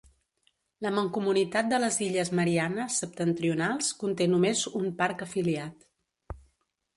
La mancomunitat de les Illes Mariannes Septentrionals conté només un parc afiliat.